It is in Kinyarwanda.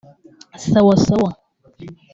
‘Sawa sawa’